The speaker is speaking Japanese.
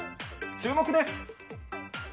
注目です。